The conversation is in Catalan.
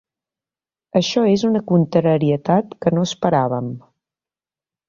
Això és una contrarietat que no esperàvem.